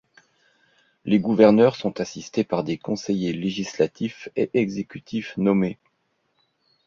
Les gouverneurs sont assistés par des conseillers législatifs et exécutifs nommés.